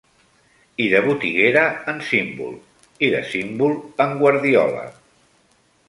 I de botiguera en símbol, i de símbol en guardiola.